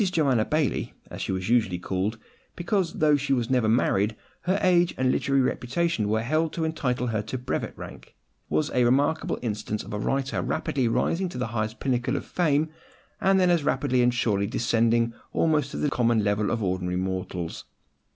JOANNA BAILLIE, as she was usually called, because, though she was never married, her age and literary reputation were held to entitle her to brevet rank, was a remarkable instance of a writer rapidly rising to the highest pinnacle of fame, and then as rapidly and surely descending almost to the common level of ordinary mortals.